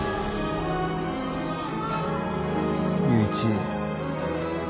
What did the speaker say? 友一